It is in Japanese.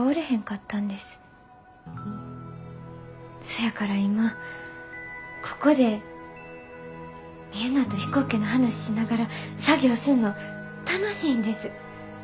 そやから今ここでみんなと飛行機の話しながら作業すんの楽しいんです。